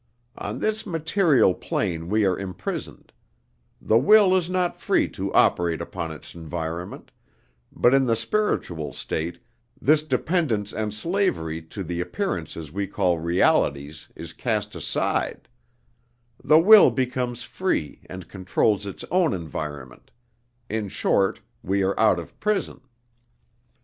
On this material plane we are imprisoned; the will is not free to operate upon its environment, but in the spiritual state this dependence and slavery to the appearances we call realities is cast aside; the will becomes free and controls its own environment in short, we are out of prison.